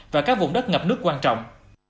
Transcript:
và các vùng đất ngập nước quan trọng